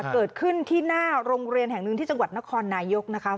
เกิดขึ้นที่หน้าโรงเรียนแห่งหนึ่งที่จังหวัดนครนายกนะคะ